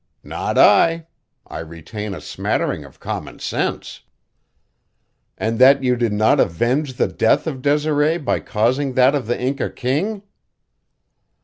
"Not I. I retain a smattering of common sense." "And that you did not avenge the death of Desiree by causing that of the Inca king?"